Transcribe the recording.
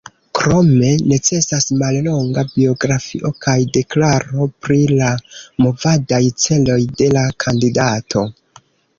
Krome necesas mallonga biografio kaj deklaro pri la movadaj celoj de la kandidato.